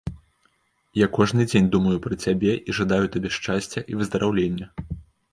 Я кожны дзень думаю пра цябе і жадаю табе шчасця і выздараўлення.